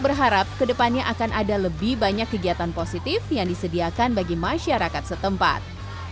berharap kedepannya akan ada lebih banyak kegiatan positif yang disediakan bagi masyarakat setempat